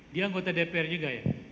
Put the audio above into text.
dia anggota dpr juga ya